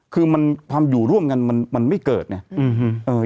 คือความอยู่ร่วมกันมันไม่เกิดไง